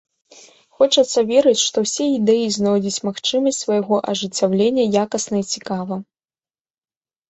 Хочацца верыць, што ўсе ідэі знойдуць магчымасць свайго ажыццяўлення якасна і цікава.